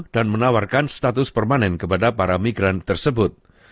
dan menawarkan status permanen kepada para migran tersebut